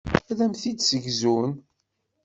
Ad am-t-id-ssegzun.